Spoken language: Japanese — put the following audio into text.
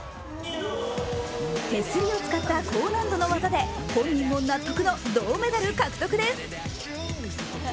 手すりを使った高難度の技で本人も納得の銅メダル獲得です。